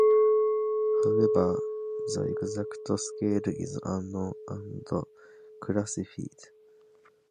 However the exact scale is unknown and classified.